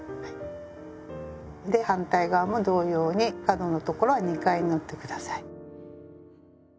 で反対側も同様に角の所は２回縫ってください。